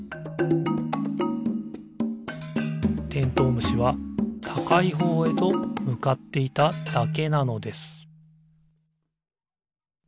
むしはたかいほうへとむかっていただけなのです